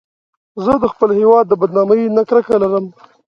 زه د خپل هېواد د بدنامۍ نه کرکه لرم